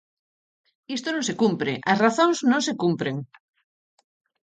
Isto non se cumpre, as razóns non se cumpren.